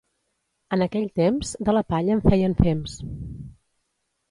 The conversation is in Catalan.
En aquell temps, de la palla en feien fems.